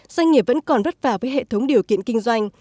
doanh nghiệp vẫn còn vất vả với hệ thống điều kiện kinh doanh